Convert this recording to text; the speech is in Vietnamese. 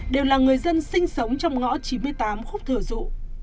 đều là người dân sinh sống trong ngõ chín mươi tám khúc thừa dụ